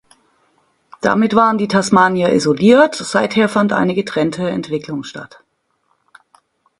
Damit waren die Tasmanier isoliert, seither fand eine getrennte Entwicklung statt.